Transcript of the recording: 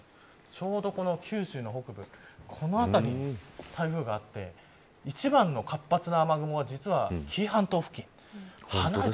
ちょうど九州の北部この辺り、台風があって一番の活発な雨雲は実は紀伊半島付近。